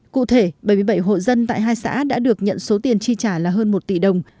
cụ thể bảy mươi bảy hộ dân tại hai xã đã được nhận số tiền chi trả là hơn một tỷ đồng